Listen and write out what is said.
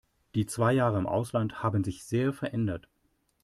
Die zwei Jahre im Ausland haben dich sehr verändert.